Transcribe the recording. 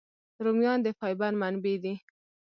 رومیان د فایبر منبع دي